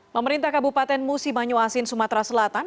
pemerintah kabupaten musi banyu asin sumatera selatan